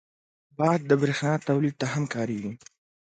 باد د بریښنا تولید ته هم کارېږي